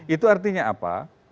itu artinya apa